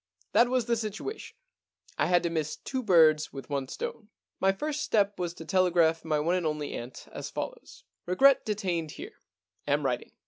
That was the situation. I had to miss two birds with one stone. * My first step was to telegraph to my one and only aunt as follows :Regret detained here. Am writing.'